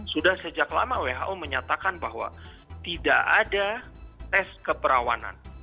sudah sejak lama who menyatakan bahwa tidak ada tes keperawanan